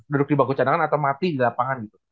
duduk di bangku cadangan atau mati di lapangan gitu